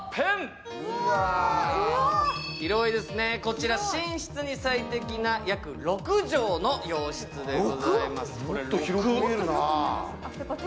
広いですね、こちら寝室に最適な約６畳の洋室です。